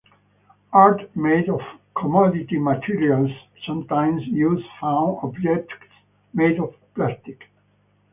Art made of commodity materials sometimes use found objects made of plastic.